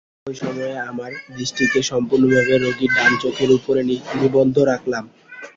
একই সময়ে আমার দৃষ্টিকে সম্পূর্ণভাবে রোগীর ডান চোখের ওপরে নিবদ্ধ রাখলাম।